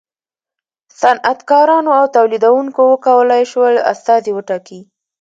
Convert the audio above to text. صنعتکارانو او تولیدوونکو و کولای شول استازي وټاکي.